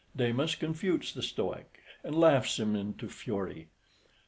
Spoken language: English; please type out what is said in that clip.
Damis confutes the Stoic, and laughs him into fury.